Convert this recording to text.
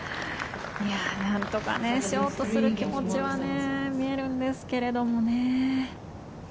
なんとかしようとする気持ちは見えるんですけれどもね。